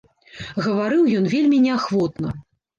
Гаварыў ён вельмі неахвотна.